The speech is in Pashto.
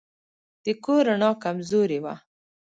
د کور رڼا کمزورې وه.